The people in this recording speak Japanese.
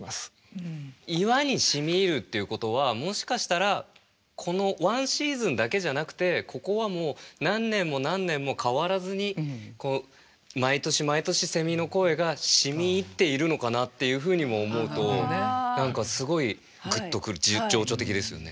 「岩にしみ入」っていうことはもしかしたらこのワンシーズンだけじゃなくてここはもう何年も何年も変わらずに毎年毎年蝉の声がしみいっているのかなっていうふうにも思うと何かすごいグッと来る情緒的ですよね。